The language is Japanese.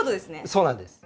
そうなんです。